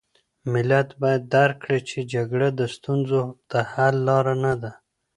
ملت باید درک کړي چې جګړه د ستونزو د حل لاره نه ده.